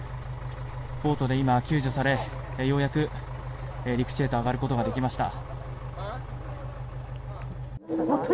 ボートで今、救助されようやく陸地へと上がることができました。